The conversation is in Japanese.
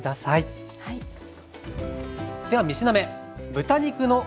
では３品目。